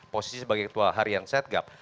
posisi sebagai ketua harian set gap